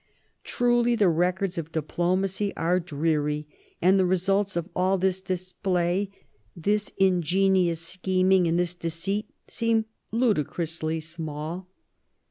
Truly the records of diplomacy are dreary, and the results of all this display, this ingenious scheming, and this deceit seem ludicrously small.